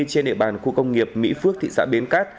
trên địa bàn khu công nghiệp mỹ phước thị xã bến cát